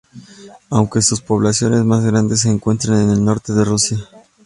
Aunque sus poblaciones más grandes se encuentran en el norte de Rusia.